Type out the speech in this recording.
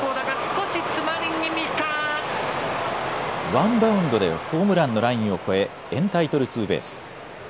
ワンバウンドでホームランのラインを越えエンタイトルツーベース。